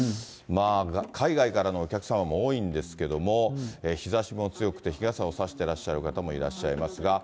海外からのお客様も多いんですけれども、日ざしも強くて、日傘を差していらっしゃる方もいらっしゃいますが。